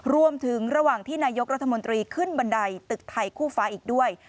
ระหว่างที่นายกรัฐมนตรีขึ้นบันไดตึกไทยคู่ฟ้าอีกด้วย